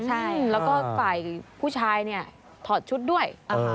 ใช่แล้วก็ฝ่ายผู้ชายเนี่ยถอดชุดด้วย